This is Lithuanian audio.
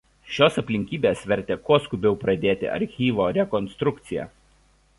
Šios aplinkybės vertė kuo skubiau pradėti archyvo rekonstrukciją.